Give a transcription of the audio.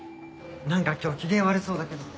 なんか今日機嫌悪そうだけど。